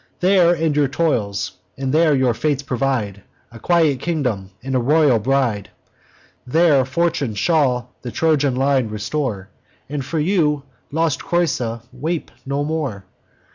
There end your toils; and there your fates provide A quiet kingdom, and a royal bride: There fortune shall the Trojan line restore, And you for lost Creusa weep no more.